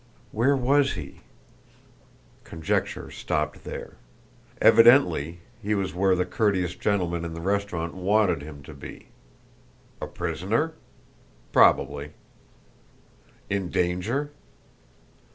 Where was he? Conjecture stopped there. Evidently he was where the courteous gentleman in the restaurant wanted him to be. A prisoner? Probably. In danger?